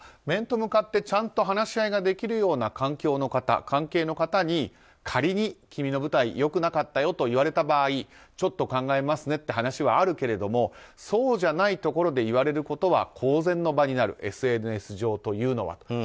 面と向かってちゃんと話し合いができるような環境の方関係の方に仮に君の舞台、良くなかったよと言われた場合ちょっと考えますねって話は話はあるけれどもそうじゃないところで言われるのは公然の場になるＳＮＳ上というのはと。